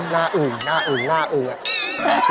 หน้าอืมหน้าอืมหน้าอืม